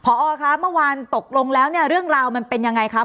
พอคะเมื่อวานตกลงแล้วเนี่ยเรื่องราวมันเป็นยังไงครับ